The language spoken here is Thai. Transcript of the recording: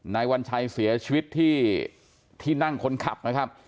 วัญชัยเสียชีวิตที่นั่งคนขับนะครับ